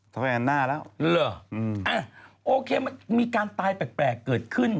สแกนหน้าแล้วหรออืมอ่าโอเคมันมีการตายแปลกแปลกเกิดขึ้น